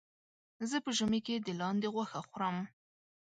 زه په ژمي کې د لاندې غوښه خورم.